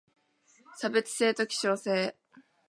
差別性と希少性